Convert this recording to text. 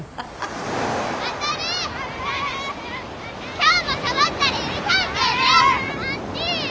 今日もサボったら許さんけぇね。